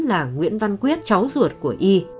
là nguyễn văn quyết cháu ruột của y